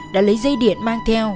đã lấy dây điện mang theo